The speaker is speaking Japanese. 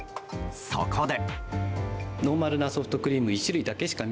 そこで。